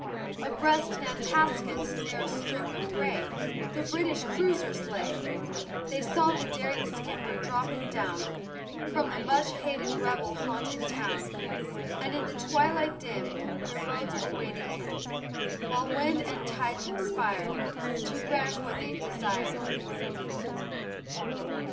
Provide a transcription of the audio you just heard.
"Abreast Nantasket's narrow strip of gray The British cruisers lay: They saw the daring skipper dropping down From the much hated rebel haunted town, And in the twilight dim Their boats awaited him, While wind and tide conspired To grant what they desired.